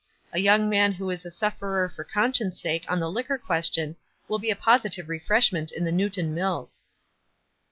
A young man who is a sufferer for con science' sake on the liquor question will be a positive refreshment in the Newton Mills."